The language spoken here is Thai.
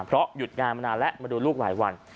เพราะหยุดงานมานานแล้วมาดูลูกหลายวัน